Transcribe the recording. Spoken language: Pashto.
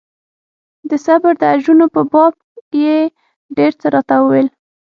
د صبر د اجرونو په باب يې ډېر څه راته وويل.